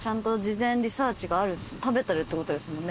食べてるってことですもんね？